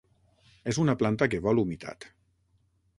És una planta que vol humitat.